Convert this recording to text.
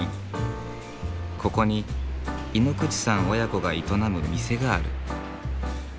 ここに井ノ口さん親子が営む店がある。